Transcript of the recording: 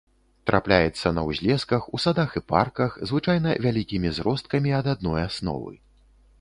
Трапляецца на ўзлесках, у садах і парках, звычайна вялікімі зросткамі ад адной асновы.